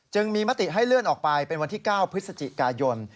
จึงมีมติให้เลื่อนออกไปเป็นวันที่๙พฤศจิกายน